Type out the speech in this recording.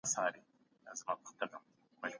دولت بايد د خپلو وګړو امنيت وساتي.